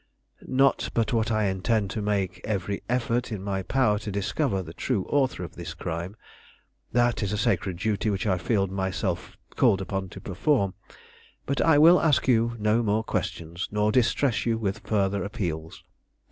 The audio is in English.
"Not but what I intend to make every effort in my power to discover the true author of this crime. That is a sacred duty which I feel myself called upon to perform; but I will ask you no more questions, nor distress you with further appeals.